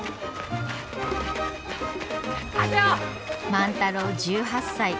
万太郎１８歳。